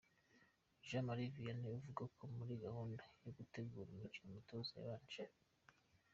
Jean Marie Vianney avuga ko muri gahunda yo gutegura umukino umutoza yabanje.